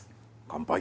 乾杯